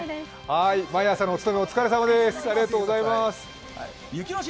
毎朝のお務めお疲れさまです。